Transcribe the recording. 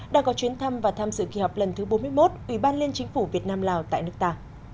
đã có chuyến thăm và tham dự kỳ họp lần thứ bốn mươi một ủy ban liên chính phủ việt nam lào tại nước ta